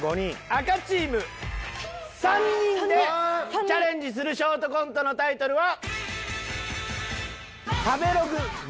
赤チーム３人でチャレンジするショートコントのタイトルは。